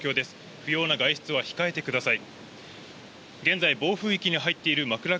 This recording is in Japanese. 不要な外出は控えてください。